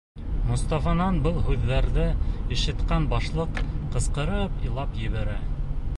Мостафанан был һүҙҙәрҙе ишеткән башлыҡ ҡысҡырып илап ебәрә: